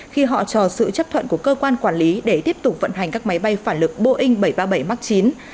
khi họ chờ sự chấp thuận của cơ quan quản lý để tiếp tục vận hành các máy bay phản lực boeing bảy trăm ba mươi bảy max chín